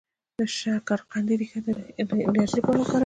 د شکرقندي ریښه د انرژی لپاره وکاروئ